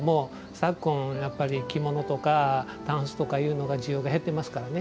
昨今やっぱり着物とかたんすとかというのが需要が減ってますからね。